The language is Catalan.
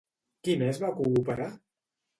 Qui més va cooperar?